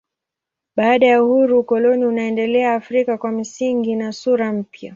Baada ya uhuru ukoloni unaendelea Afrika kwa misingi na sura mpya.